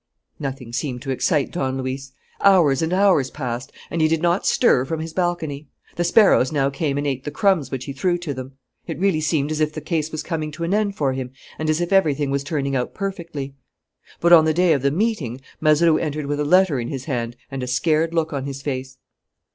Nothing seemed to excite Don Luis. Hours and hours passed; and he did not stir from his balcony. The sparrows now came and ate the crumbs which he threw to them. It really seemed as if the case was coming to an end for him and as if everything was turning out perfectly. But, on the day of the meeting, Mazeroux entered with a letter in his hand and a scared look on his face.